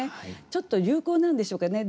ちょっと流行なんでしょうかね。